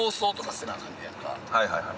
はいはいはい。